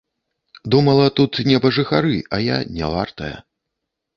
Думала, тут небажыхары, а я нявартая.